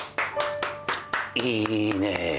・いいねぇ。